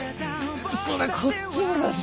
それこっちもだし。